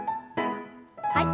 はい。